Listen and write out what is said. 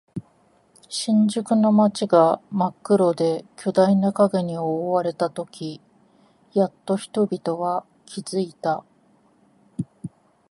新宿の街が真っ黒で巨大な影に覆われたとき、やっと人々は気づいた。